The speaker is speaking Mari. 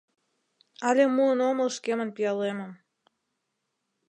Але муын омыл шкемын пиалемым...